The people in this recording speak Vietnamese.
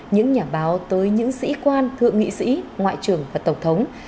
những nhà báo tới những sĩ quan thượng nghị sĩ ngoại trưởng và tổng thống